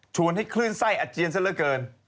ชวนให้คลื่นไส้อาเจียนซะเยอะเกิน